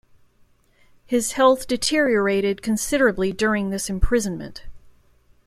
His health deteriorated considerably during this imprisonment.